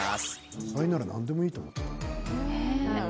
野菜なら何でもいいと思っていた。